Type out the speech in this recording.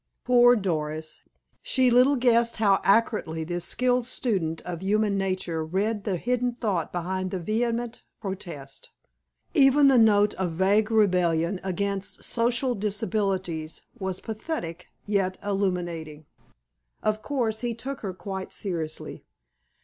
Poor Doris! She little guessed how accurately this skilled student of human nature read the hidden thought behind that vehement protest. Even the note of vague rebellion against social disabilities was pathetic yet illuminating. Of course, he took her quite seriously.